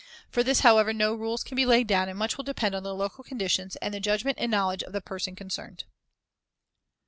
For this, however, no rules can be laid down and much will depend on the local conditions and the judgment and knowledge of the person concerned.